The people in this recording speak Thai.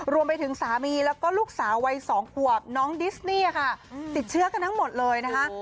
รวมไปถึงสามีแล้วก็ลูกสาววัย๒ขวบน้องดิสนี่ค่ะติดเชื้อกันทั้งหมดเลยนะคะ